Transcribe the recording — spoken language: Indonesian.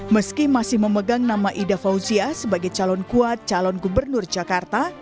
meski masih memegang nama ida fauzia sebagai calon kuat calon gubernur jakarta